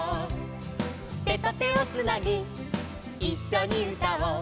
「手と手をつなぎいっしょにうたおう」